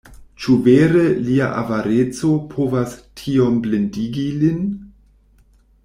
Ĉu vere lia avareco povas tiom blindigi lin?